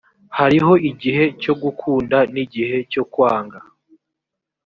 hariho igihe cyo gukunda n igihe cyo kwanga